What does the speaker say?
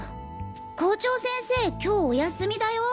校長先生今日お休みだよ？